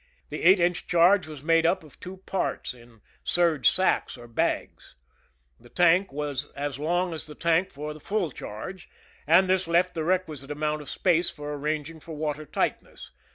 The eight inch charge was made up of two parts in serge sacks or bags, as shown on page 20. The tank was as long as the tank for the full charge, and this left the requisite amount of space for ar ranging for water tightness.